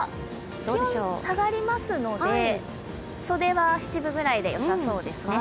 気温が下がりますので、袖は七分ぐらいでよさそうですね。